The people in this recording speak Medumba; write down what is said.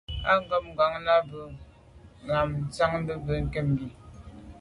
A côb ngòn mɑ̂ ɑ̀b ndʉ̂ Nzə̀ ɑ̌m Ndiagbin, bə̀ kə bɛ̀n ke.